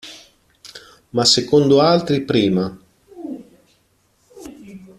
Ma secondo altri prima.